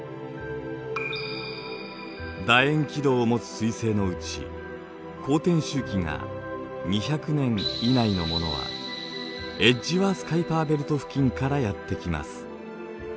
だ円軌道をもつ彗星のうち公転周期が２００年以内のものはエッジワース・カイパーベルト付近からやって来ます。